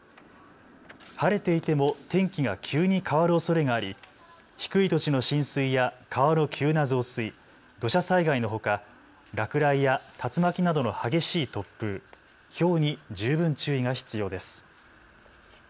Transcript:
晴れていても天気が急に変わるおそれがあり低い土地の浸水や川の急な増水、土砂災害のほか落雷や竜巻などの激しい突風、ひょうに十分注意が必要です。